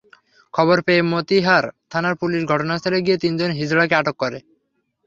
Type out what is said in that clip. খবর পেয়ে মতিহার থানার পুলিশ ঘটনাস্থলে গিয়ে তিনজন হিজড়াকে আটক করে।